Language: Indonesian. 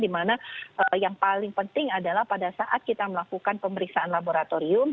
dimana yang paling penting adalah pada saat kita melakukan pemeriksaan laboratorium